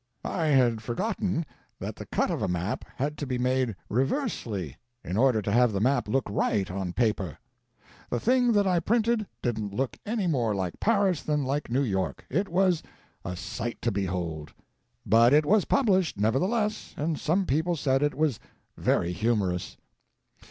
I had forgotten that the cut of a map had to be made reversely in order to have the map look right on paper. The thing that I printed didn't look any more like Paris than like New York; it was a sight to behold. But it was published, nevertheless, and some people said it was very humorous.